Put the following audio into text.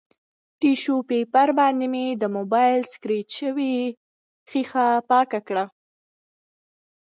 ټیشو پیپر باندې مې د مبایل سکریچ شوې ښیښه پاکه کړه